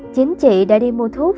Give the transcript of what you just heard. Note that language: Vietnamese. chính chị đã đi mua thuốc